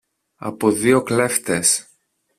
από δυο κλέφτες.